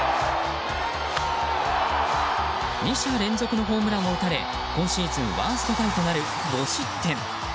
２者連続のホームランを打たれ今シーズンワーストタイとなる５失点。